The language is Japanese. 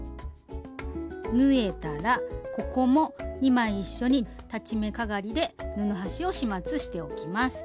縫えたらここも２枚一緒に裁ち目かがりで布端を始末しておきます。